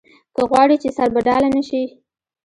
که غواړې چې سربډاله نه شې.